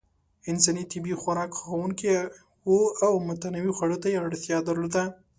انسان طبیعي خوراک خوښونکی و او متنوع خوړو ته یې اړتیا درلوده.